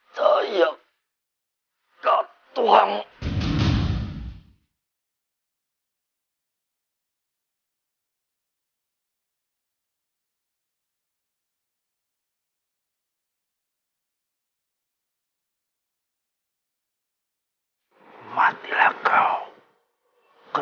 saya akan melakukannya